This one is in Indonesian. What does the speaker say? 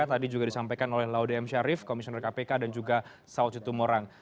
tadi juga disampaikan oleh laude m syarif komisioner kpk dan juga saud situmorang